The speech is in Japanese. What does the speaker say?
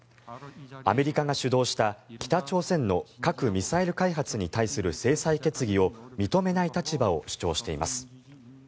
アメリカが主導した北朝鮮の核・ミサイル開発に対する制裁決議を認めない立場を主張しています。